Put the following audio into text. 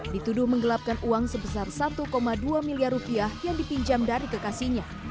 dituduh menggelapkan uang sebesar satu dua miliar rupiah yang dipinjam dari kekasihnya